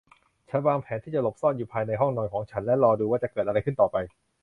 ฉันวางแผนที่จะหลบซ่อนอยู่ภายในห้องนอนของฉันและรอดูว่าจะเกิดอะไรขึ้นต่อไป